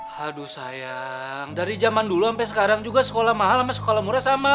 haduh sayang dari zaman dulu sampai sekarang juga sekolah mahal sama sekolah murah sama